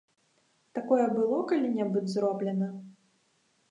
Такое было калі-небудзь зроблена?